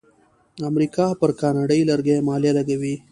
امریکا پر کاناډایی لرګیو مالیه لګوي.